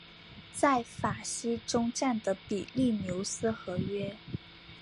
在法西终战的比利牛斯和约。